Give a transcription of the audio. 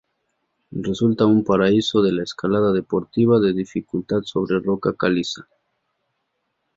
Resulta un paraíso de la escalada deportiva de dificultad sobre roca caliza.